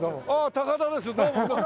高田ですどうも。